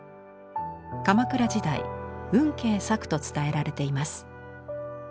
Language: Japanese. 鎌倉時代運慶作と伝えられています。